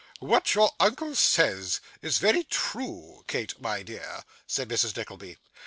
'What your uncle says is very true, Kate, my dear,' said Mrs. Nickleby.